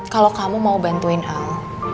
kalau kamu mau bantuin al